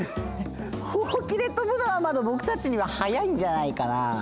ほうきでとぶのはまだぼくたちには早いんじゃないかなあ。